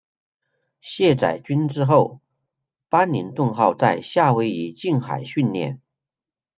卸载军资后班宁顿号在夏威夷近海训练。